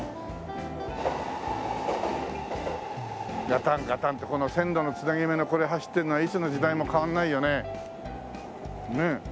「ガタンガタン」ってこの線路のつなぎ目のこれ走ってるのはいつの時代も変わらないよね。